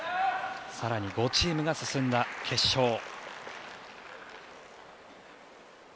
更に５チームが進んだ決勝。